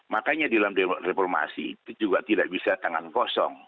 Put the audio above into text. makanya di dalam reformasi itu juga tidak bisa tangan kosong